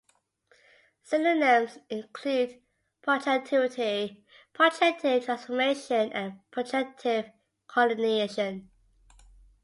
Synonyms include projectivity, projective transformation, and projective collineation.